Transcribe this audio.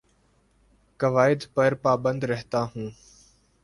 قوائد پر پابند رہتا ہوں